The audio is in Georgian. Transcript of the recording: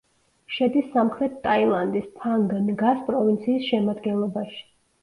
შედის სამხრეთ ტაილანდის, ფანგ ნგას პროვინციის შემადგენლობაში.